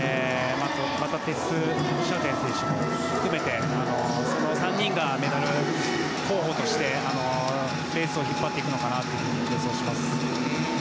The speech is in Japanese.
テス・シャウテン選手も含めてその３人がメダル候補としてレースを引っ張っていくのかなと予想します。